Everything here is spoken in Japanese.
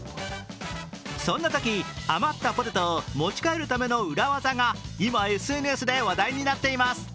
そんなとき余ったポテトを持ち帰るための裏技が今、ＳＮＳで話題になっています。